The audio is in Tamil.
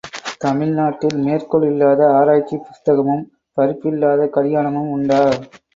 தமிழ்நாட்டில் மேற்கோள் இல்லாத ஆராய்ச்சிப் புஸ்தகமும் பருப்பில்லாத கலியாணமும் உண்டா?